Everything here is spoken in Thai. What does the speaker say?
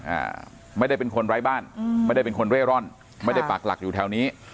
อ่าไม่ได้เป็นคนไร้บ้านอืมไม่ได้เป็นคนเร่ร่อนไม่ได้ปากหลักอยู่แถวนี้